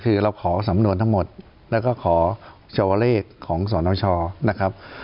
คือเราขอสำนวนทั้งหมดแล้วก็ขอโชว์เลขของสนชนะครับ